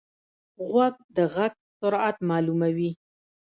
غوږ د غږ سرعت معلوموي.